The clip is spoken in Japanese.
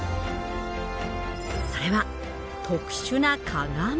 それは特殊な鏡。